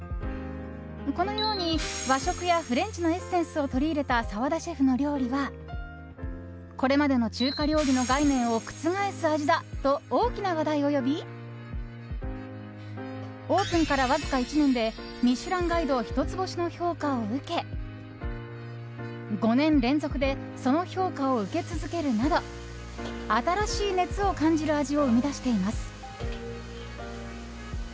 このように、和食やフレンチのエッセンスを取り入れた澤田シェフの料理はこれまでの中華料理の概念を覆す味だと大きな話題を呼びオープンからわずか１年で「ミシュランガイド」一つ星の評価を受け５年連続でその評価を受け続けるなど新しい熱を感じる味を生み出しています。